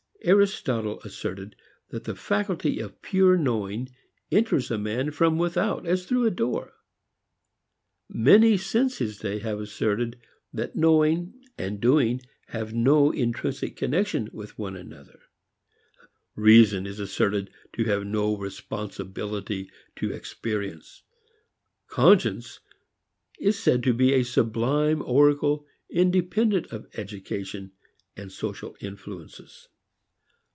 Aristotle asserted that the faculty of pure knowing enters a man from without as through a door. Many since his day have asserted that knowing and doing have no intrinsic connection with each other. Reason is asserted to have no responsibility to experience; conscience is said to be a sublime oracle independent of education and social influences.